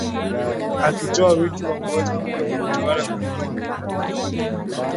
akitoa wito wa kuanza upya kwa utawala kamili wa kiraia